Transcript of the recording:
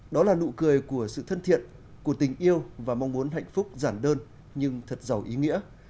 đó là nụ cười của sự thân thiện của tình yêu và mong muốn hạnh phúc giản đơn nhưng thật giàu ý nghĩa